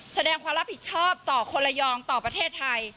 แสดงความรับผิดชอบต่อคนระยองต่อประเทศไทย